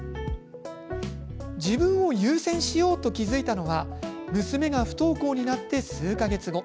自分を優先しようと気付いたのは娘が不登校になって数か月後。